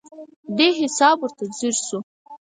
دې حساب ورته ځیر شو.